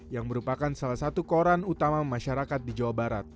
yang merupakan salah satu koran utama masyarakat di jawa barat